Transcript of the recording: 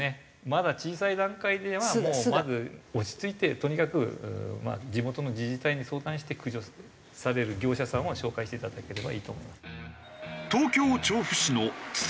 まだ小さい段階ではもうまず落ち着いてとにかく地元の自治体に相談して駆除される業者さんを紹介していただければいいと。